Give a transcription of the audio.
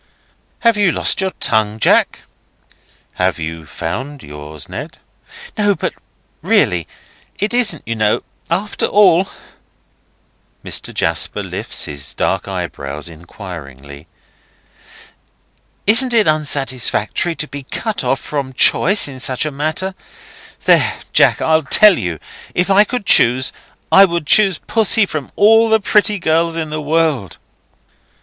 "Have you lost your tongue, Jack?" "Have you found yours, Ned?" "No, but really;—isn't it, you know, after all—" Mr. Jasper lifts his dark eyebrows inquiringly. "Isn't it unsatisfactory to be cut off from choice in such a matter? There, Jack! I tell you! If I could choose, I would choose Pussy from all the pretty girls in the world."